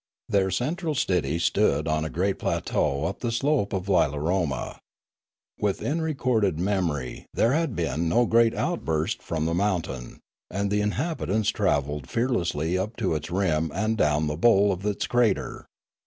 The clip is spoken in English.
Their central city stood upon a great plateau up the slope of Lila roma. Within recorded memory there had been no great outburst from the mountain; and the inhabitants travelled fearlessly up to its rim and down the bowl of its crater.